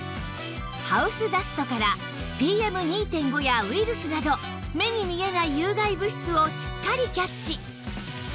ハウスダストから ＰＭ２．５ やウイルスなど目に見えない有害物質をしっかりキャッチ